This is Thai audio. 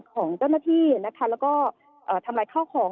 ของเจ้าหน้าที่นะคะแล้วก็ทำลายข้าวของ